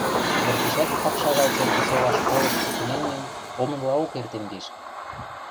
выртешӓт ак шагал Церкӹсола школышты тыменьмем омынлаок эртен кеш.